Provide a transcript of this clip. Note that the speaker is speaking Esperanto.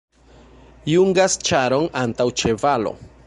Jungas ĉaron antaŭ ĉevalo.